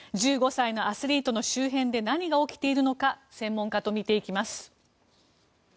１５歳のアスリートの周辺で何が起きているのか専門家と見ていきます。